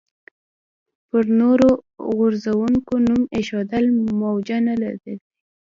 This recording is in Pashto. پر نورو غورځنګونو نوم ایښودل موجه نه دي.